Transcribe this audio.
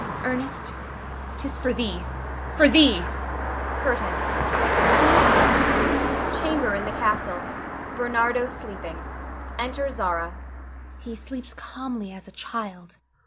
Ernest, 'tis for thee! for thee! CURTAIN. SCENE FIFTH. [Chamber in the castle. Bernardo sleeping. Enter Zara.] Zara. He sleeps calmly as a child.